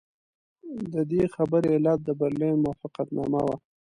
د دې خبرې علت د برلین موافقتنامه وه.